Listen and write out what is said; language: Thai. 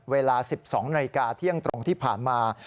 เวลา๑๒นาฬิกาเที่ยงตรงที่ผ่านมา